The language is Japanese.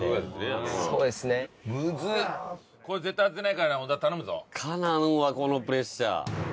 かなわんわこのプレッシャー。